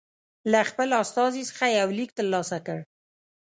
له خپل استازي څخه یو لیک ترلاسه کړ.